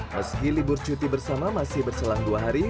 meski libur cuti bersama masih berselang dua hari